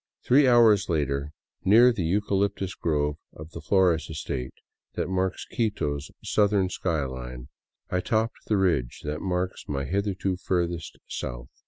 Three hours later, near the eucalyptus grove of the Flores estate that marks Quito's southern sky line, I topped the ridge that marked my hitherto furthest south.